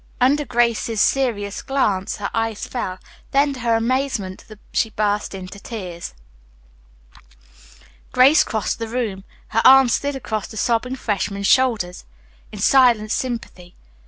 Under Grace's serious glance her eyes fell, then, to her visitors' amazement, she burst into tears. Grace crossed the room. Her arm slid across the sobbing freshman's shoulders in silent sympathy.